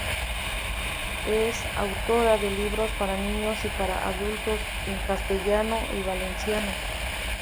Es autora de libros para niños y para adultos en castellano y valenciano.